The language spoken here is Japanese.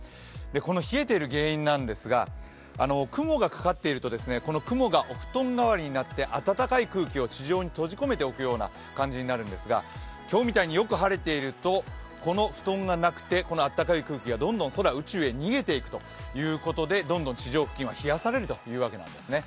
この冷えている原因なんですが雲がかかっていると、雲がお布団代わりになって、暖かい空気を地上に閉じ込めておくような感じになるんですが、今日みたいによく晴れているとこの布団がなくてこの暖かい空気がどんどん空、宇宙に逃げていくということでどんどん地上付近は冷やされるというわけなんですね。